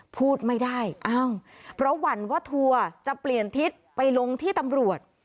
พูดไม่ได้อ้าวเพราะหวั่นว่าทัวร์จะเปลี่ยนทิศไปลงที่ตำรวจ